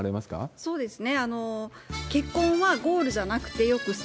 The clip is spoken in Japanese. そうですね。